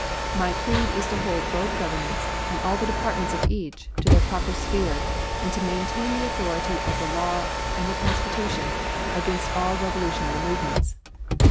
My creed is to hold both governments, and all the departments of each, to their proper sphere, and to maintain the authority of the laws and the Constitution against all revolutionary movements.